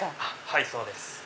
はいそうです。